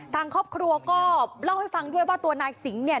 ทางครอบครัวก็เล่าให้ฟังด้วยว่าตัวนายสิงห์เนี่ย